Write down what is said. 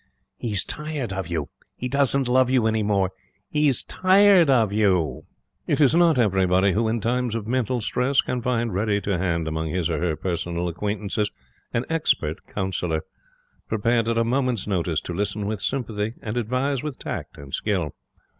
'He's tired of you. He doesn't love you any more. He's tired of you.' It is not everybody who, in times of mental stress, can find ready to hand among his or her personal acquaintances an expert counsellor, prepared at a moment's notice to listen with sympathy and advise with tact and skill.